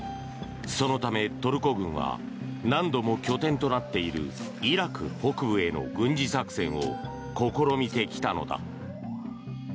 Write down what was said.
そのためトルコ軍は何度も拠点となっているイラク北部への軍事作戦を試みてきたのだ。